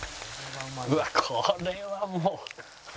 うわっこれはもう。